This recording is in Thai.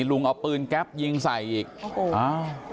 ลุงเอาปืนแก๊ปยิงใส่อีกโอ้โหอ้าว